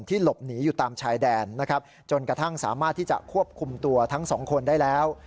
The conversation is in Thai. หลบหนีอยู่ตามชายแดนนะครับจนกระทั่งสามารถที่จะควบคุมตัวทั้งสองคนได้แล้ว